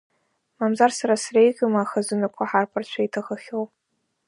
Мамзар, сара среиӷьума ахазынақәа ҳарԥарацәа иҭахахьоу!